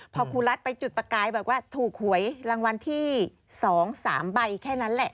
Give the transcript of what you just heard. พอครูรัฐไปจุดประกายแบบว่าถูกหวยรางวัลที่๒๓ใบแค่นั้นแหละ